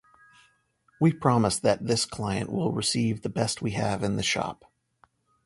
We promise that this client will receive the best we have in the shop.